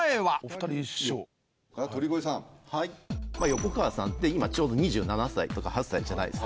横川さんって今ちょうど２７歳とか２８歳じゃないですか。